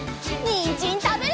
にんじんたべるよ！